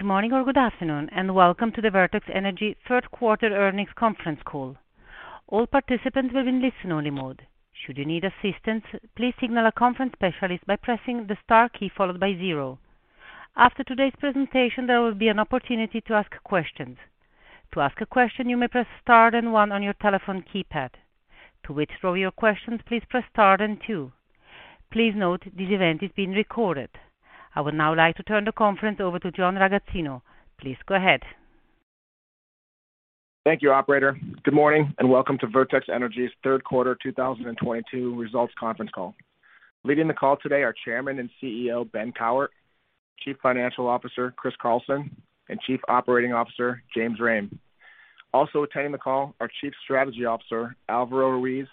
Good morning or good afternoon, and welcome to the Vertex Energy third quarter earnings conference call. All participants will be in listen only mode. Should you need assistance, please signal a conference specialist by pressing the star key followed by zero. After today's presentation, there will be an opportunity to ask questions. To ask a question, you may press Star and one on your telephone keypad. To withdraw your questions, please press Star and two. Please note this event is being recorded. I would now like to turn the conference over to John Ragozzino. Please go ahead. Thank you, operator. Good morning and welcome to Vertex Energy's third quarter 2022 results conference call. Leading the call today are Chairman and CEO, Ben Cowart, Chief Financial Officer, Chris Carlson, and Chief Operating Officer, James Rhame. Also attending the call are Chief Strategy Officer, Alvaro Ruiz,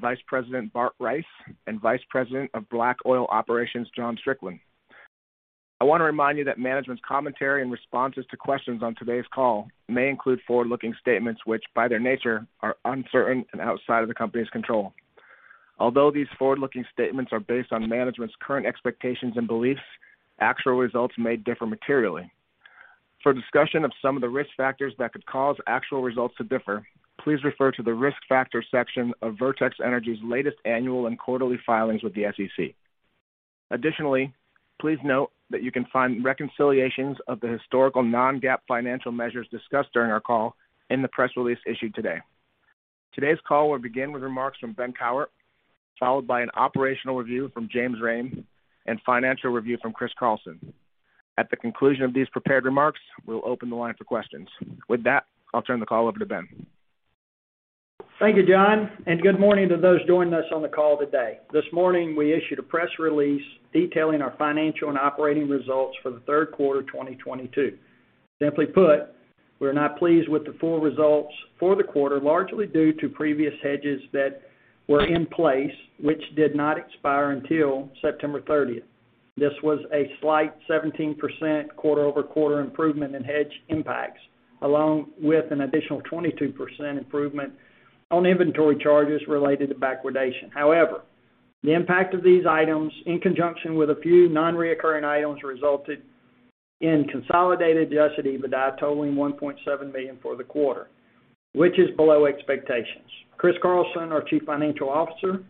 Vice President, Bart Rice, and Vice President of Black Oil Operations, John Strickland. I want to remind you that management's commentary and responses to questions on today's call may include forward-looking statements, which, by their nature, are uncertain and outside of the company's control. Although these forward-looking statements are based on management's current expectations and beliefs, actual results may differ materially. For discussion of some of the risk factors that could cause actual results to differ, please refer to the Risk Factors section of Vertex Energy's latest annual and quarterly filings with the SEC. Additionally, please note that you can find reconciliations of the historical non-GAAP financial measures discussed during our call in the press release issued today. Today's call will begin with remarks from Ben Cowart, followed by an operational review from James Rhame and financial review from Chris Carlson. At the conclusion of these prepared remarks, we'll open the line for questions. With that, I'll turn the call over to Ben. Thank you, John, and good morning to those joining us on the call today. This morning, we issued a press release detailing our financial and operating results for the third quarter of 2022. Simply put, we're not pleased with the full results for the quarter, largely due to previous hedges that were in place which did not expire until September thirtieth. This was a slight 17% quarter-over-quarter improvement in hedge impacts, along with an additional 22% improvement on inventory charges related to backwardation. However, the impact of these items, in conjunction with a few non-recurring items, resulted in consolidated adjusted EBITDA totaling $1.7 million for the quarter, which is below expectations. Chris Carlson, our Chief Financial Officer,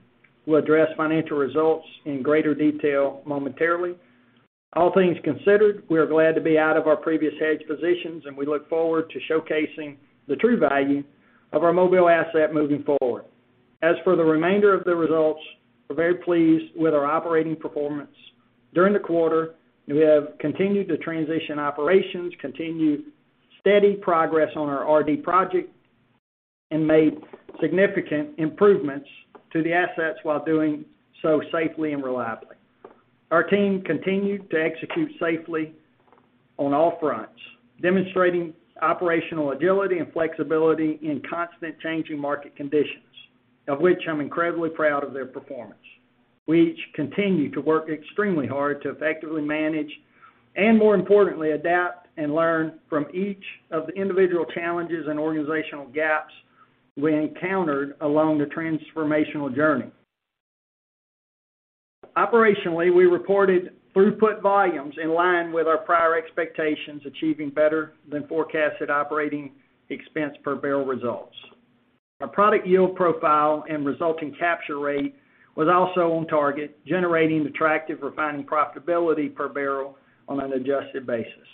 will address financial results in greater detail momentarily. All things considered, we are glad to be out of our previous hedge positions, and we look forward to showcasing the true value of our Mobile asset moving forward. As for the remainder of the results, we're very pleased with our operating performance. During the quarter, we have continued to transition operations, continued steady progress on our RD project, and made significant improvements to the assets while doing so safely and reliably. Our team continued to execute safely on all fronts, demonstrating operational agility and flexibility in constantly changing market conditions, of which I'm incredibly proud of their performance. We each continue to work extremely hard to effectively manage and, more importantly, adapt and learn from each of the individual challenges and organizational gaps we encountered along the transformational journey. Operationally, we reported throughput volumes in line with our prior expectations, achieving better than forecasted operating expense per barrel results. Our product yield profile and resulting capture rate was also on target, generating attractive refining profitability per barrel on an adjusted basis.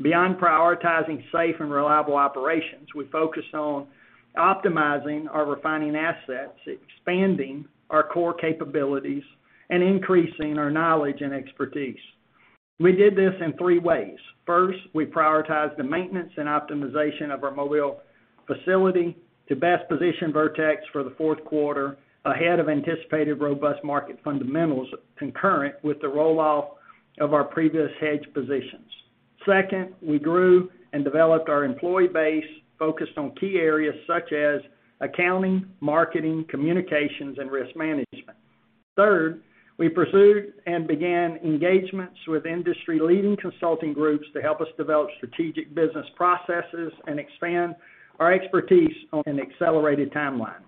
Beyond prioritizing safe and reliable operations, we focused on optimizing our refining assets, expanding our core capabilities, and increasing our knowledge and expertise. We did this in three ways. First, we prioritized the maintenance and optimization of our Mobile facility to best position Vertex for the fourth quarter ahead of anticipated robust market fundamentals concurrent with the roll off of our previous hedge positions. Second, we grew and developed our employee base focused on key areas such as accounting, marketing, communications, and risk management. Third, we pursued and began engagements with industry leading consulting groups to help us develop strategic business processes and expand our expertise on an accelerated timeline.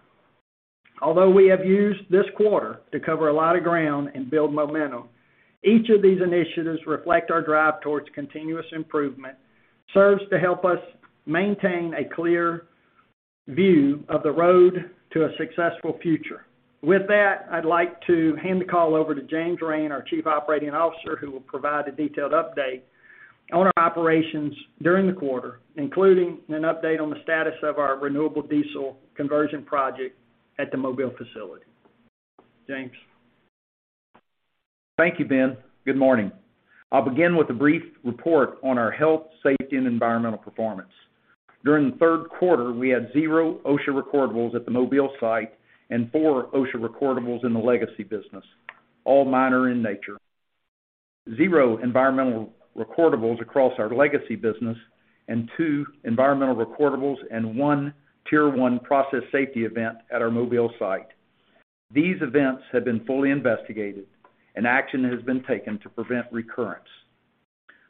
Although we have used this quarter to cover a lot of ground and build momentum, each of these initiatives reflect our drive towards continuous improvement, serves to help us maintain a clear view of the road to a successful future. With that, I'd like to hand the call over to James Rhame, our Chief Operating Officer, who will provide a detailed update on our operations during the quarter, including an update on the status of our renewable diesel conversion project at the Mobile facility. James? Thank you, Ben. Good morning. I'll begin with a brief report on our health, safety, and environmental performance. During the third quarter, we had zero OSHA recordables at the Mobile site and four OSHA recordables in the legacy business, all minor in nature. Zero environmental recordables across our legacy business and two environmental recordables and one Tier 1 Process Safety Event at our Mobile site. These events have been fully investigated and action has been taken to prevent recurrence.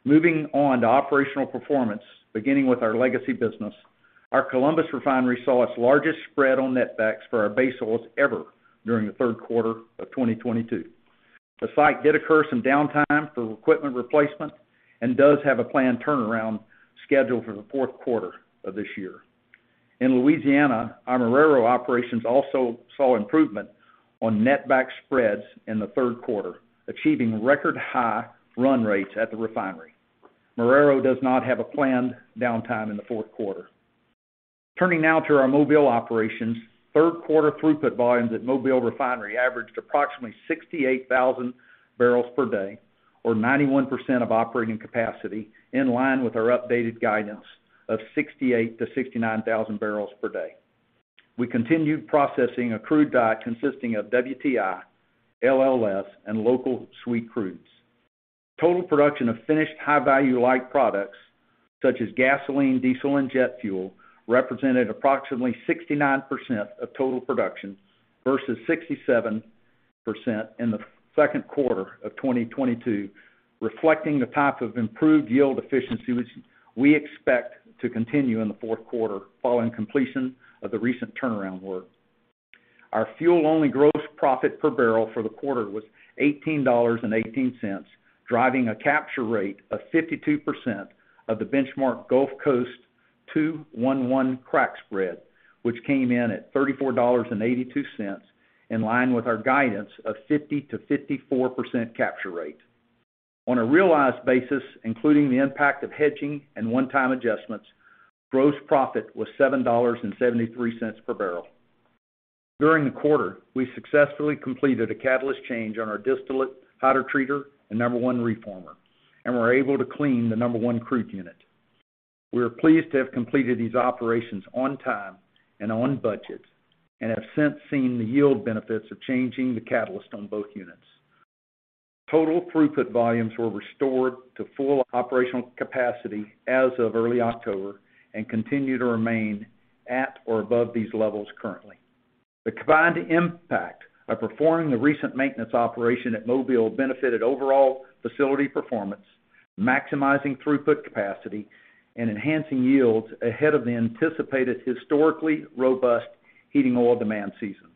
Moving on to operational performance. Beginning with our legacy business, our Columbus Refinery saw its largest spread on net backs for our base oils ever during the third quarter of 2022. The site incurred some downtime for equipment replacement and does have a planned turnaround scheduled for the fourth quarter of this year. In Louisiana, our Marrero operations also saw improvement on net back spreads in the third quarter, achieving record high run rates at the refinery. Marrero does not have a planned downtime in the fourth quarter. Turning now to our Mobile operations. Third quarter throughput volumes at Mobile Refinery averaged approximately 68,000 barrels per day or 91% of operating capacity, in line with our updated guidance of 68,000-69,000 barrels per day. We continued processing a crude diet consisting of WTI, LLS, and local sweet crudes. Total production of finished high-value light products such as gasoline, diesel, and jet fuel represented approximately 69% of total production versus 67% in the second quarter of 2022, reflecting the type of improved yield efficiency which we expect to continue in the fourth quarter following completion of the recent turnaround work. Our fuel-only gross profit per barrel for the quarter was $18.18, driving a capture rate of 52% of the benchmark Gulf Coast 2-1-1 crack spread, which came in at $34.82, in line with our guidance of 50%-54% capture rate. On a realized basis, including the impact of hedging and one-time adjustments, gross profit was $7.73 per barrel. During the quarter, we successfully completed a catalyst change on our distillate hydrotreater and No. 1 reformer, and were able to clean the No. 1 crude unit. We are pleased to have completed these operations on time and on budget, and have since seen the yield benefits of changing the catalyst on both units. Total throughput volumes were restored to full operational capacity as of early October and continue to remain at or above these levels currently. The combined impact of performing the recent maintenance operation at Mobile benefited overall facility performance, maximizing throughput capacity, and enhancing yields ahead of the anticipated historically robust heating oil demand season.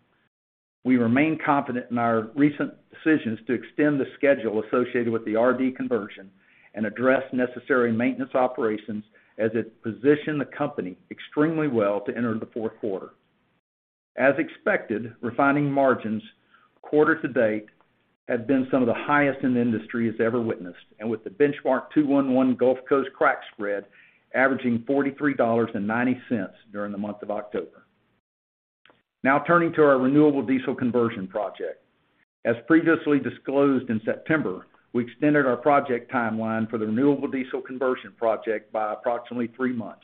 We remain confident in our recent decisions to extend the schedule associated with the RD conversion and address necessary maintenance operations as it positioned the company extremely well to enter the fourth quarter. As expected, refining margins quarter to date have been some of the highest in the industry has ever witnessed, and with the benchmark 2-1-1 Gulf Coast crack spread averaging $43.90 during the month of October. Now turning to our renewable diesel conversion project. As previously disclosed in September, we extended our project timeline for the renewable diesel conversion project by approximately 3 months.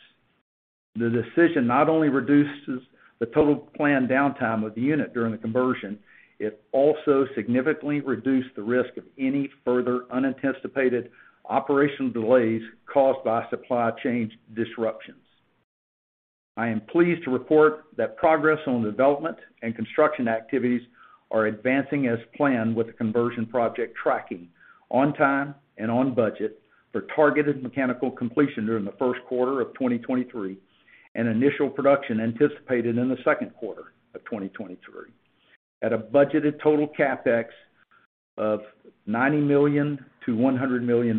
The decision not only reduces the total planned downtime of the unit during the conversion, it also significantly reduced the risk of any further unanticipated operational delays caused by supply chain disruptions. I am pleased to report that progress on the development and construction activities are advancing as planned with the conversion project tracking on time and on budget for targeted mechanical completion during the first quarter of 2023 and initial production anticipated in the second quarter of 2023 at a budgeted total CapEx of $90 million-$100 million.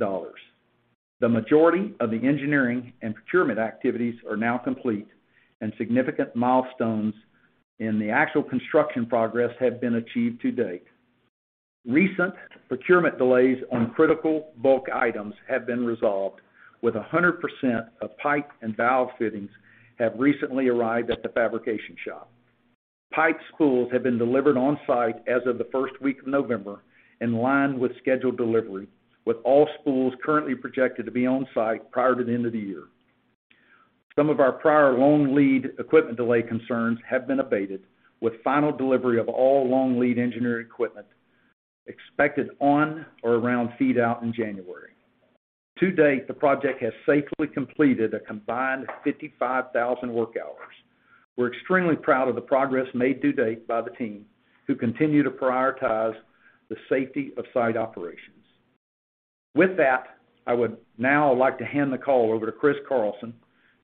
The majority of the engineering and procurement activities are now complete and significant milestones in the actual construction progress have been achieved to date. Recent procurement delays on critical bulk items have been resolved, with 100% of pipe and valve fittings having recently arrived at the fabrication shop. Pipe spools have been delivered on site as of the first week of November in line with scheduled delivery, with all spools currently projected to be on site prior to the end of the year. Some of our prior long lead equipment delay concerns have been abated, with final delivery of all long lead engineered equipment expected on or around FEED out in January. To date, the project has safely completed a combined 55,000 work hours. We're extremely proud of the progress made to date by the team, who continue to prioritize the safety of site operations. With that, I would now like to hand the call over to Chris Carlson,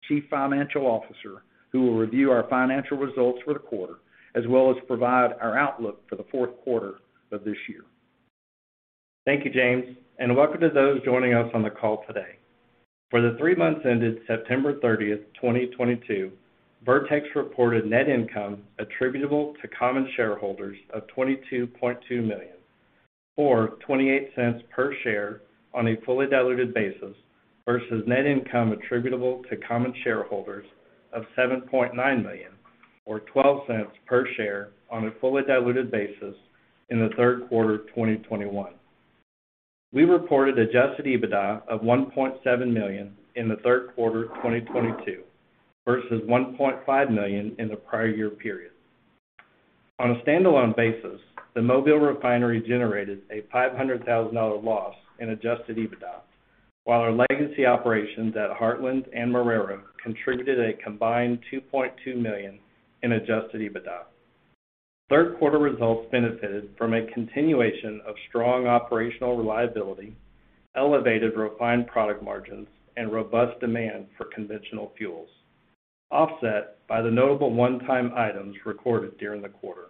Chief Financial Officer, who will review our financial results for the quarter as well as provide our outlook for the fourth quarter of this year. Thank you, James, and welcome to those joining us on the call today. For the three months ended September 30, 2022, Vertex reported net income attributable to common shareholders of $22.2 million, or $0.28 per share on a fully diluted basis versus net income attributable to common shareholders of $7.9 million or $0.12 per share on a fully diluted basis in the third quarter of 2021. We reported adjusted EBITDA of $1.7 million in the third quarter of 2022 versus $1.5 million in the prior year period. On a standalone basis, the Mobile Refinery generated a $500,000 loss in adjusted EBITDA, while our legacy operations at Heartland and Marrero contributed a combined $2.2 million in adjusted EBITDA. Third quarter results benefited from a continuation of strong operational reliability, elevated refined product margins, and robust demand for conventional fuels. Offset by the notable one-time items recorded during the quarter.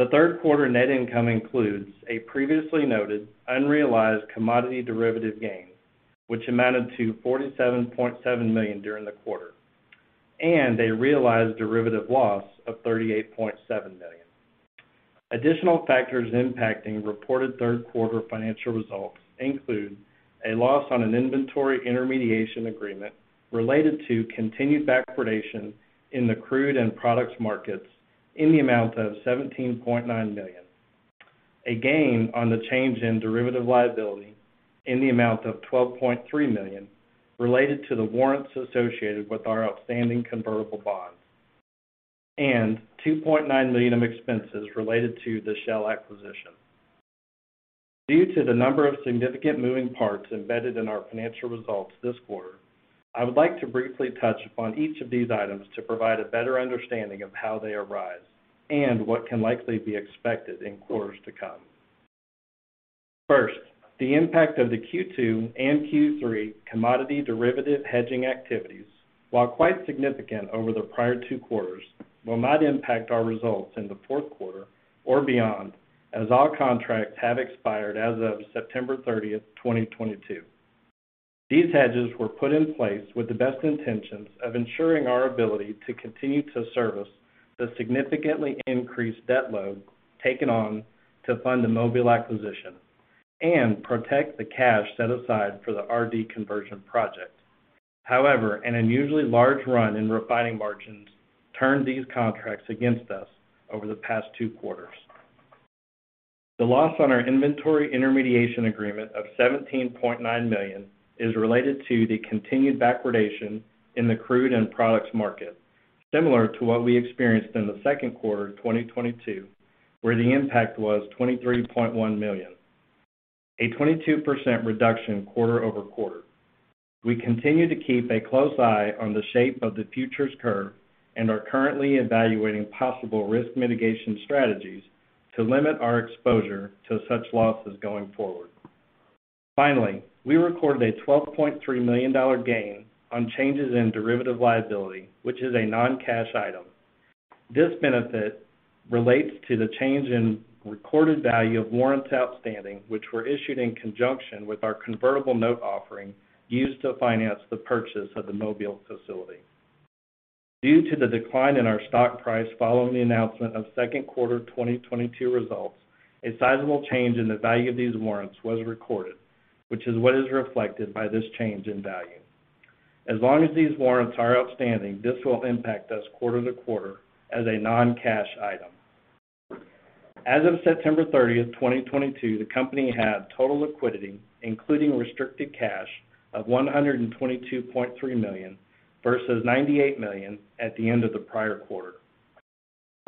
The third quarter net income includes a previously noted unrealized commodity derivative gain, which amounted to $47.7 million during the quarter, and a realized derivative loss of $38.7 million. Additional factors impacting reported third quarter financial results include a loss on an inventory intermediation agreement related to continued backwardation in the crude and products markets in the amount of $17.9 million. A gain on the change in derivative liability in the amount of $12.3 million related to the warrants associated with our outstanding convertible bonds, and $2.9 million of expenses related to the Shell acquisition. Due to the number of significant moving parts embedded in our financial results this quarter, I would like to briefly touch upon each of these items to provide a better understanding of how they arise and what can likely be expected in quarters to come. First, the impact of the Q2 and Q3 commodity derivative hedging activities, while quite significant over the prior two quarters, will not impact our results in the fourth quarter or beyond, as all contracts have expired as of September 30, 2022. These hedges were put in place with the best intentions of ensuring our ability to continue to service the significantly increased debt load taken on to fund the Mobile acquisition and protect the cash set aside for the RD conversion project. However, an unusually large run in refining margins turned these contracts against us over the past two quarters. The loss on our inventory intermediation agreement of $17.9 million is related to the continued backwardation in the crude and products market, similar to what we experienced in the second quarter 2022, where the impact was $23.1 million, a 22% reduction quarter-over-quarter. We continue to keep a close eye on the shape of the futures curve and are currently evaluating possible risk mitigation strategies to limit our exposure to such losses going forward. Finally, we recorded a $12.3 million gain on changes in derivative liability, which is a non-cash item. This benefit relates to the change in recorded value of warrants outstanding, which were issued in conjunction with our convertible note offering used to finance the purchase of the Mobile facility. Due to the decline in our stock price following the announcement of second quarter 2022 results, a sizable change in the value of these warrants was recorded, which is what is reflected by this change in value. As long as these warrants are outstanding, this will impact us quarter to quarter as a non-cash item. As of September 30, 2022, the company had total liquidity, including restricted cash of $122.3 million versus $98 million at the end of the prior quarter.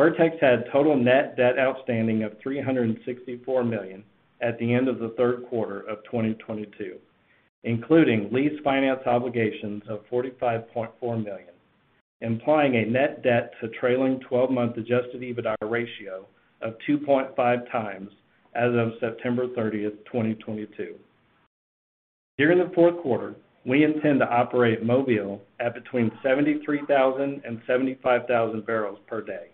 Vertex had total net debt outstanding of $364 million at the end of the third quarter of 2022, including lease finance obligations of $45.4 million, implying a net debt to trailing twelve month adjusted EBITDA ratio of 2.5x as of September 30, 2022. During the fourth quarter, we intend to operate Mobile at between 73,000 and 75,000 barrels per day,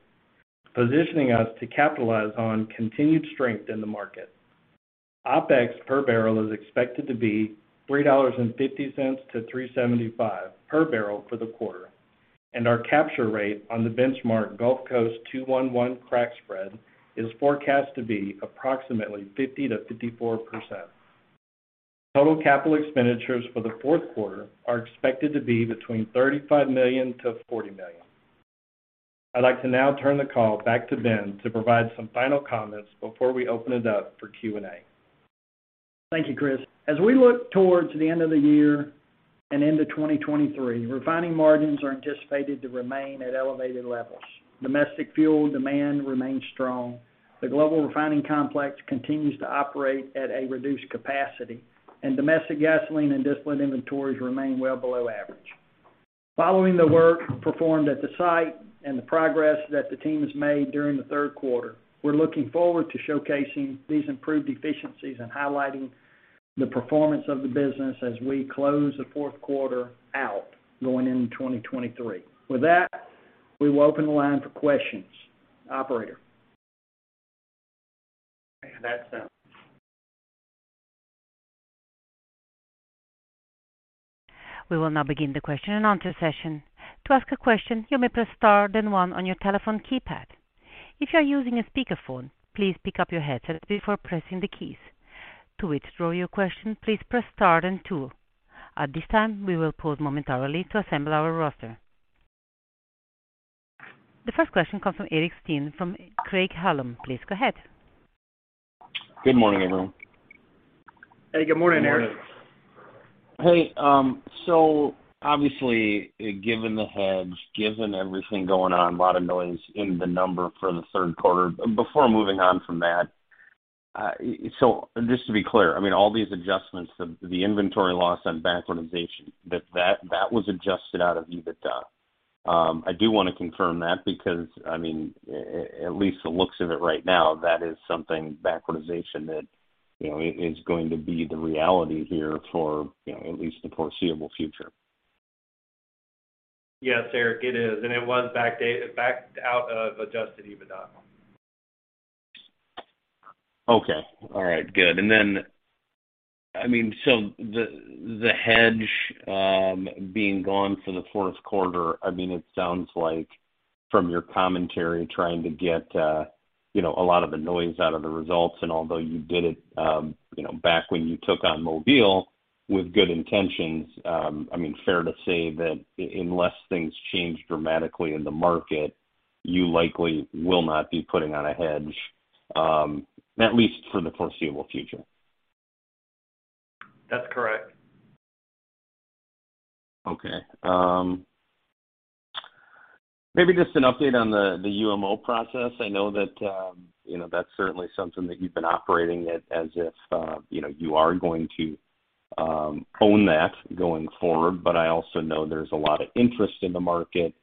positioning us to capitalize on continued strength in the market. OpEx per barrel is expected to be $3.50-$3.75 per barrel for the quarter, and our capture rate on the benchmark Gulf Coast 2-1-1 crack spread is forecast to be approximately 50%-54%. Total capital expenditures for the fourth quarter are expected to be between $35 million and $40 million. I'd like to now turn the call back to Ben to provide some final comments before we open it up for Q&A. Thank you, Chris. As we look towards the end of the year and into 2023, refining margins are anticipated to remain at elevated levels. Domestic fuel demand remains strong. The global refining complex continues to operate at a reduced capacity, and domestic gasoline and diesel inventories remain well below average. Following the work performed at the site and the progress that the team has made during the third quarter, we're looking forward to showcasing these improved efficiencies and highlighting the performance of the business as we close the fourth quarter out going into 2023. With that, we will open the line for questions. Operator? That's it. We will now begin the question and answer session. To ask a question, you may press star then one on your telephone keypad. If you are using a speakerphone, please pick up your headset before pressing the keys. To withdraw your question, please press star then two. At this time, we will pause momentarily to assemble our roster. The first question comes from Eric Stine from Craig-Hallum. Please go ahead. Good morning, everyone. Hey, good morning, Eric. Hey, obviously, given the hedge, given everything going on, a lot of noise in the number for the third quarter. Before moving on from that, just to be clear, I mean, all these adjustments, the inventory loss and backwardation, that was adjusted out of EBITDA. I do wanna confirm that because, I mean, at least the looks of it right now, that is something backwardation that you know is going to be the reality here for you know at least the foreseeable future. Yes, Eric, it is, and it was backed out of adjusted EBITDA. Okay. All right, good. Then, I mean, so the hedge being gone for the fourth quarter, I mean, it sounds like from your commentary trying to get, you know, a lot of the noise out of the results, and although you did it, you know, back when you took on Mobile with good intentions, I mean, fair to say that unless things change dramatically in the market, you likely will not be putting on a hedge, at least for the foreseeable future. That's correct. Okay. Maybe just an update on the UMO process. I know that, you know, that's certainly something that you've been operating it as if, you know, you are going to own that going forward. But I also know there's a lot of interest in the market.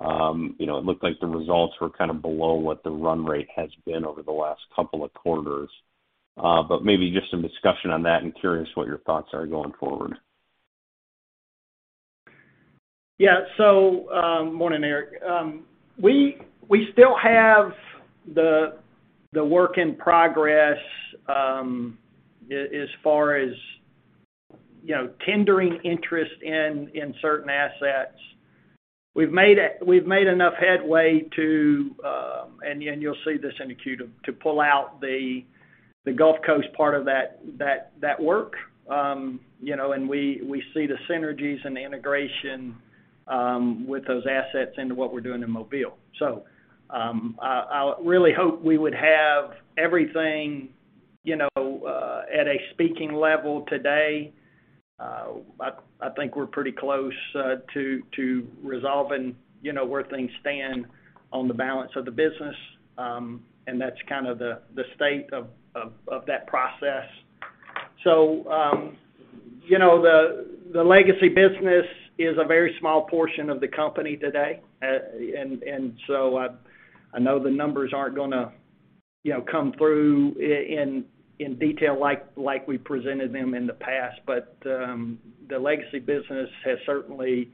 You know, it looked like the results were kind of below what the run rate has been over the last couple of quarters. But maybe just some discussion on that. I'm curious what your thoughts are going forward. Yeah. Morning, Eric. We still have the work in progress as far as, you know, tendering interest in certain assets. We've made enough headway to, and you'll see this in queue, to pull out the Gulf Coast part of that work. You know, we see the synergies and the integration with those assets into what we're doing in Mobile. I really hope we would have everything, you know, at a speaking level today. I think we're pretty close to resolving, you know, where things stand on the balance of the business. That's kind of the state of that process. You know, the legacy business is a very small portion of the company today. I know the numbers aren't gonna, you know, come through in detail like we presented them in the past. The legacy business has certainly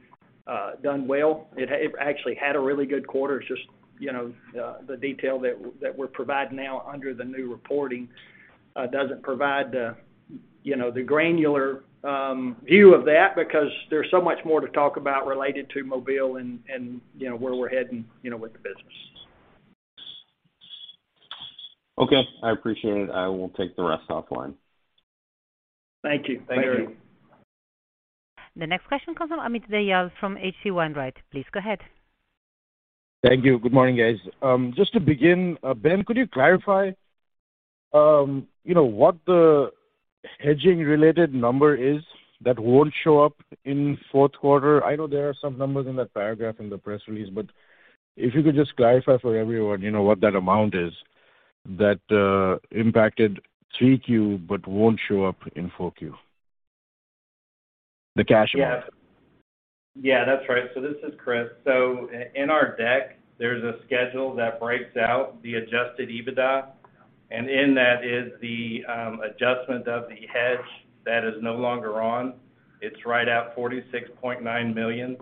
done well. It actually had a really good quarter. It's just, you know, the detail that we're providing now under the new reporting doesn't provide the, you know, the granular view of that because there's so much more to talk about related to Mobile and, you know, where we're heading, you know, with the business. Okay. I appreciate it. I will take the rest offline. Thank you. Thank you. Bye. The next question comes from Amit Dayal from H.C. Wainwright. Please go ahead. Thank you. Good morning, guys. Just to begin, Ben, could you clarify you know, what the hedging related number is that won't show up in fourth quarter? I know there are some numbers in that paragraph in the press release, but if you could just clarify for everyone, you know, what that amount is that impacted 3Q, but won't show up in 4Q. The cash amount. Yeah. Yeah, that's right. This is Chris. In our deck, there's a schedule that breaks out the adjusted EBITDA, and in that is the adjustment of the hedge that is no longer on. It's right at $46.9 million.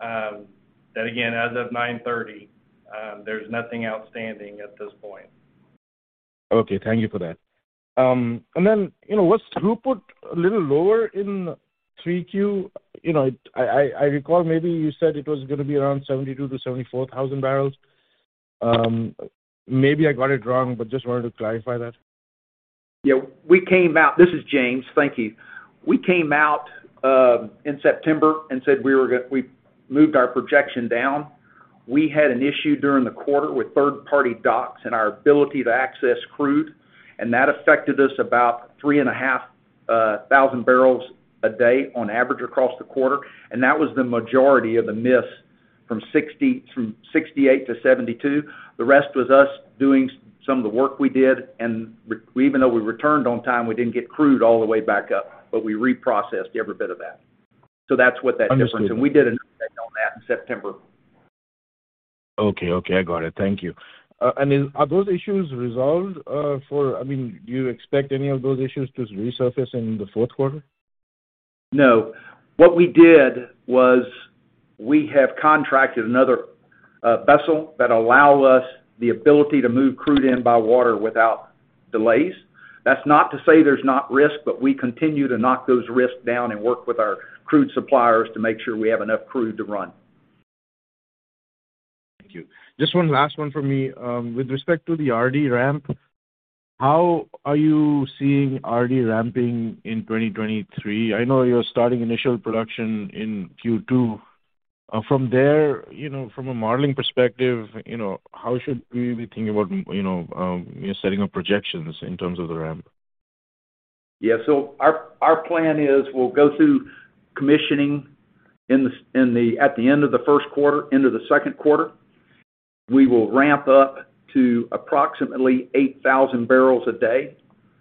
That again, as of 9/30, there's nothing outstanding at this point. Okay. Thank you for that. You know, was throughput a little lower in 3Q? You know, I recall maybe you said it was gonna be around 72,000-74,000 barrels. Maybe I got it wrong, but just wanted to clarify that. Yeah. This is James Rhame. Thank you. We came out in September and said we moved our projection down. We had an issue during the quarter with third-party docks and our ability to access crude, and that affected us about 3,500 barrels a day on average across the quarter. That was the majority of the miss from 68-72. The rest was us doing some of the work we did. Even though we returned on time, we didn't get crude all the way back up, but we reprocessed every bit of that. That's what that difference. Understood. We did an update on that in September. Okay. Okay, I got it. Thank you. I mean, are those issues resolved? I mean, do you expect any of those issues to resurface in the fourth quarter? No. What we did was we have contracted another vessel that allow us the ability to move crude in by water without delays. That's not to say there's not risk, but we continue to knock those risks down and work with our crude suppliers to make sure we have enough crude to run. Thank you. Just one last one from me. With respect to the RD ramp, how are you seeing RD ramping in 2023? I know you're starting initial production in Q2. From there, you know, from a modeling perspective, you know, how should we be thinking about, you know, you know, setting up projections in terms of the ramp? Our plan is we'll go through commissioning at the end of the first quarter into the second quarter. We will ramp up to approximately 8,000 barrels a day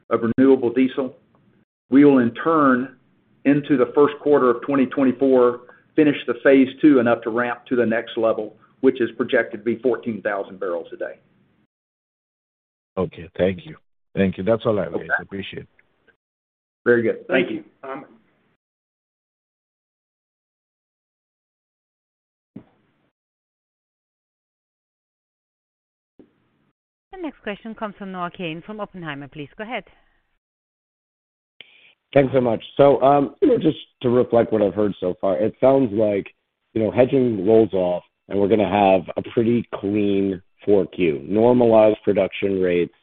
of renewable diesel. We will enter into the first quarter of 2024, finish the phase two enough to ramp to the next level, which is projected to be 14,000 barrels a day. Okay. Thank you. Thank you. That's all I have. I appreciate it. Very good. Thank you. The next question comes from Noah Kaye from Oppenheimer. Please go ahead. Thanks so much. You know, just to reflect what I've heard so far, it sounds like, you know, hedging rolls off, and we're gonna have a pretty clean 4Q. Normalized production rates,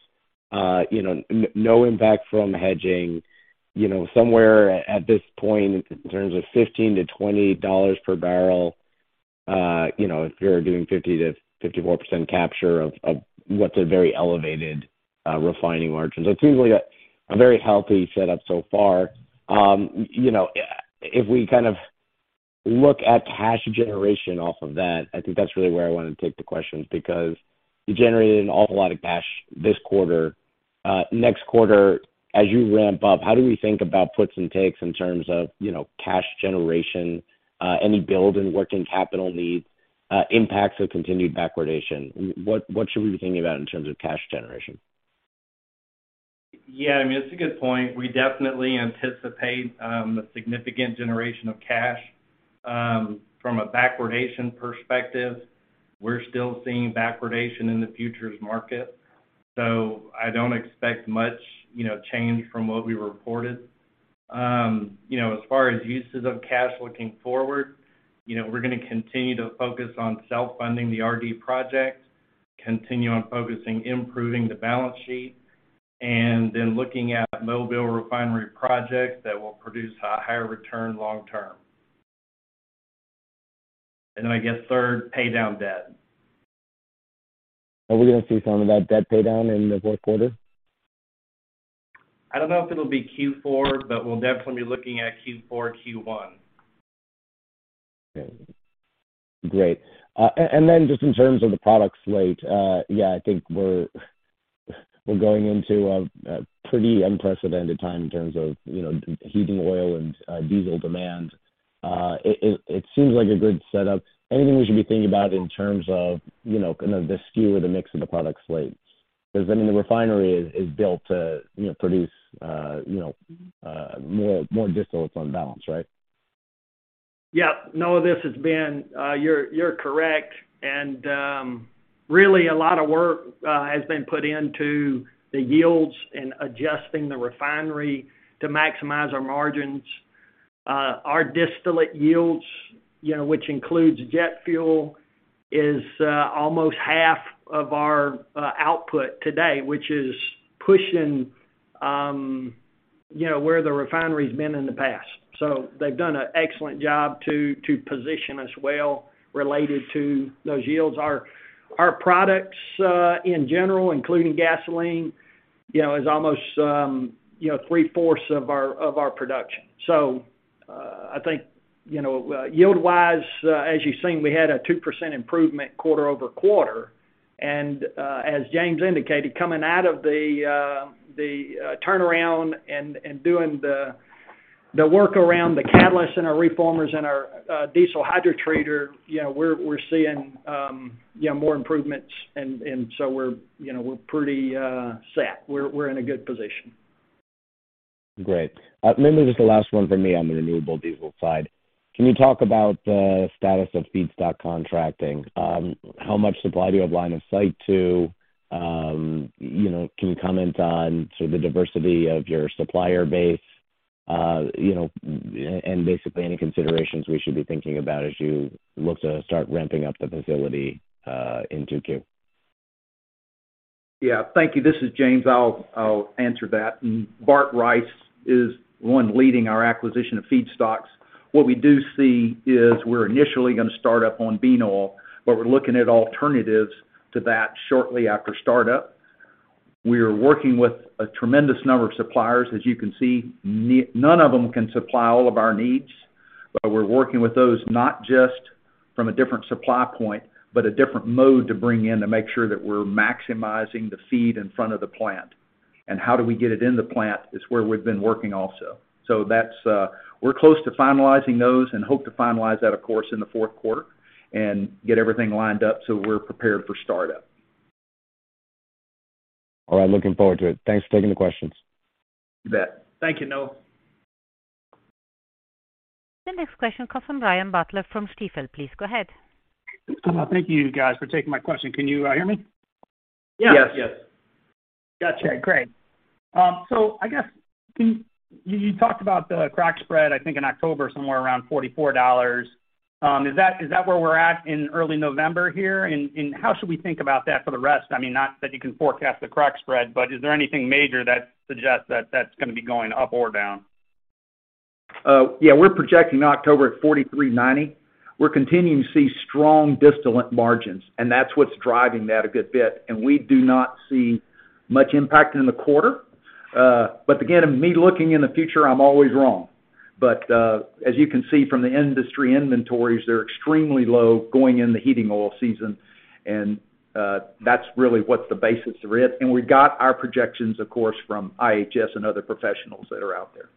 you know, no impact from hedging, you know, somewhere at this point in terms of $15-$20 per barrel, you know, if you're doing 50-54% capture of what's a very elevated refining margins. It seems like a very healthy setup so far. You know, if we kind of look at cash generation off of that, I think that's really where I wanna take the questions because you generated an awful lot of cash this quarter. Next quarter, as you ramp up, how do we think about puts and takes in terms of, you know, cash generation, any build and working capital needs, impacts of continued backwardation? What should we be thinking about in terms of cash generation? Yeah, I mean, it's a good point. We definitely anticipate a significant generation of cash from a backwardation perspective. We're still seeing backwardation in the futures market, so I don't expect much, you know, change from what we reported. You know, as far as uses of cash looking forward, you know, we're gonna continue to focus on self-funding the RD project, continue on focusing improving the balance sheet, and then looking at Mobile refinery project that will produce a higher return long term. I guess third, pay down debt. Are we gonna see some of that debt pay down in the fourth quarter? I don't know if it'll be Q4, but we'll definitely be looking at Q4, Q1. Okay. Great. And then just in terms of the product slate, yeah, I think we're going into a pretty unprecedented time in terms of, you know, heating oil and diesel demand. It seems like a good setup. Anything we should be thinking about in terms of, you know, kind of the skew or the mix of the product slates? 'Cause I mean, the refinery is built to, you know, produce more distillates on balance, right? Yeah. Noah, this has been, you're correct. Really a lot of work has been put into the yields and adjusting the refinery to maximize our margins. Our distillate yields, you know, which includes jet fuel, is almost half of our output today, which is pushing, you know, where the refinery has been in the past. They've done an excellent job to position us well related to those yields. Our products, in general, including gasoline, you know, is almost, you know, three-fourths of our production. I think, you know, yield-wise, as you've seen, we had a 2% improvement quarter-over-quarter. As James indicated, coming out of the turnaround and doing the work around the catalyst and our reformers and our distillate hydrotreater, you know, we're seeing more improvements and so we're, you know, we're pretty set. We're in a good position. Great. Maybe just the last one for me on the renewable diesel side. Can you talk about the status of feedstock contracting? How much supply do you have line of sight to? You know, can you comment on sort of the diversity of your supplier base, you know, and basically any considerations we should be thinking about as you look to start ramping up the facility, in 2Q? Yeah. Thank you. This is James. I'll answer that. Bart Rice is the one leading our acquisition of feedstocks. What we do see is we're initially gonna start up on soybean oil, but we're looking at alternatives to that shortly after startup. We are working with a tremendous number of suppliers. As you can see, none of them can supply all of our needs. But we're working with those not just from a different supply point, but a different mode to bring in to make sure that we're maximizing the feed in front of the plant. How do we get it in the plant is where we've been working also. That's, we're close to finalizing those and hope to finalize that, of course, in the fourth quarter and get everything lined up so we're prepared for startup. All right. Looking forward to it. Thanks for taking the questions. You bet. Thank you, Noah. The next question comes from Brian Butler from Stifel. Please go ahead. Thank you guys for taking my question. Can you hear me? Yes. Yes. Gotcha. Great. So I guess you talked about the crack spread, I think in October, somewhere around $44. Is that where we're at in early November here? And how should we think about that for the rest? I mean, not that you can forecast the crack spread, but is there anything major that suggests that that's gonna be going up or down? Yeah. We're projecting October at $43.90. We're continuing to see strong distillate margins, and that's what's driving that a good bit. We do not see much impact in the quarter. Again, me looking in the future, I'm always wrong. As you can see from the industry inventories, they're extremely low going in the heating oil season. That's really what's the basis of risk. We've got our projections, of course, from IHS and other professionals that are out there.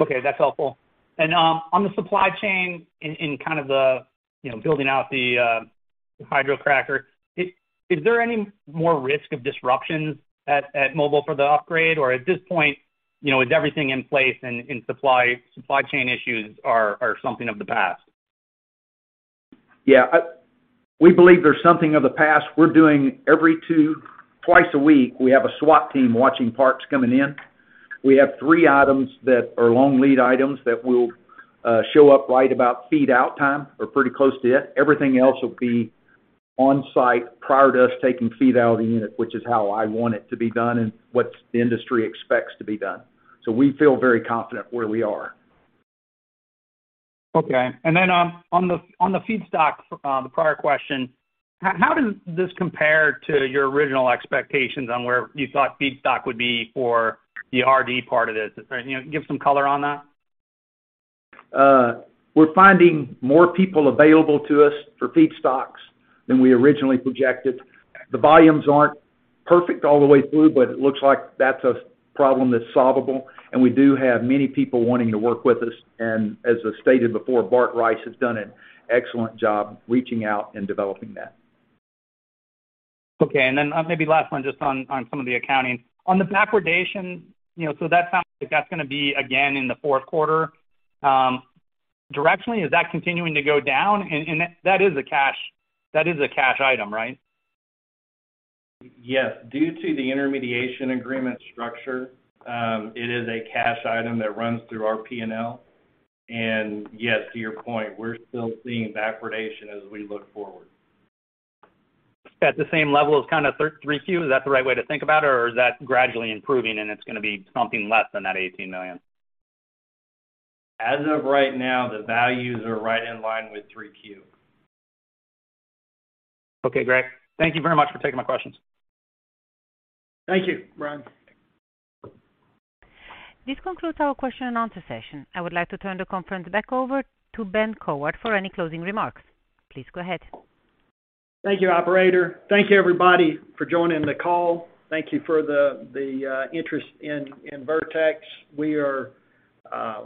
Okay, that's helpful. On the supply chain, in kind of the, you know, building out the hydrocracker, is there any more risk of disruptions at Mobile for the upgrade? Or at this point, you know, is everything in place and supply chain issues are something of the past? Yeah. We believe they're something of the past. We're doing twice a week, we have a SWAT team watching parts coming in. We have three items that are long lead items that will show up right about FEED out time or pretty close to it. Everything else will be on-site prior to us taking FEED out of the unit, which is how I want it to be done and what the industry expects to be done. We feel very confident where we are. Okay. On the feedstock, the prior question, how does this compare to your original expectations on where you thought feedstock would be for the RD part of this? You know, give some color on that. We're finding more people available to us for feedstocks than we originally projected. The volumes aren't perfect all the way through, but it looks like that's a problem that's solvable. We do have many people wanting to work with us. As I stated before, Bart Rice has done an excellent job reaching out and developing that. Maybe last one just on some of the accounting. On the backwardation, you know, that sounds like that's gonna be again in the fourth quarter. Directionally, is that continuing to go down? That is a cash item, right? Yes. Due to the intermediation agreement structure, it is a cash item that runs through our P&L. Yes, to your point, we're still seeing backwardation as we look forward. At the same level as kinda 3Q, is that the right way to think about it? Or is that gradually improving and it's gonna be something less than that $18 million? As of right now, the values are right in line with 3Q. Okay, great. Thank you very much for taking my questions. Thank you, Brian. This concludes our question and answer session. I would like to turn the conference back over to Ben Cowart for any closing remarks. Please go ahead. Thank you, operator. Thank you, everybody, for joining the call. Thank you for the interest in Vertex. We are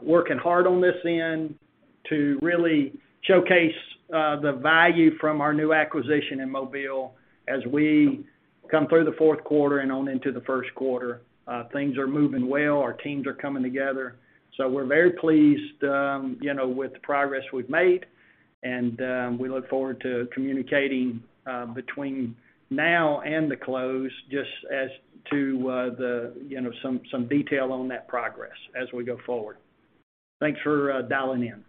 working hard on this end to really showcase the value from our new acquisition in Mobile as we come through the fourth quarter and on into the first quarter. Things are moving well. Our teams are coming together. We're very pleased, you know, with the progress we've made. We look forward to communicating between now and the close, just as to the, you know, some detail on that progress as we go forward. Thanks for dialing in.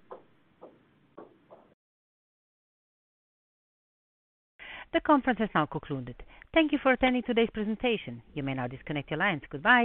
The conference has now concluded. Thank you for attending today's presentation. You may now disconnect your lines. Goodbye.